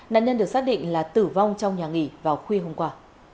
nạn nhân được xác định là tử vong trong nhà nghỉ vào khuya hôm qua